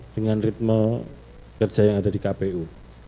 dengan ritme kerja yang ada di kpu